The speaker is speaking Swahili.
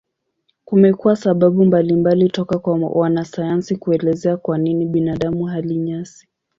Kumekuwa sababu mbalimbali toka kwa wanasayansi kuelezea kwa nini binadamu hali nyasi.